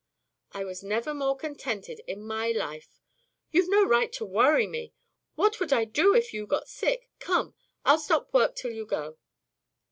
"I was never more contented in my life." "You've no right to worry me. What would I do if you got sick? Come, I'll stop work till you go."